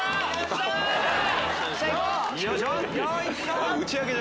・よいしょ！